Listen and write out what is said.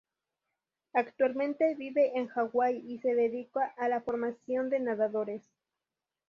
Actualmente vive en Hawái y se dedica a la formación de nadadores.